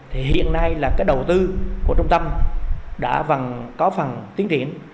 thì hiện nay là cái đầu tư của trung tâm đã có phần tiến triển